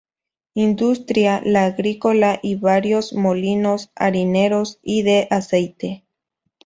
Industria, la agrícola, y varios molinos harineros y de aceite.